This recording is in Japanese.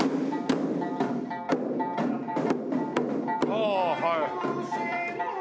ああはい。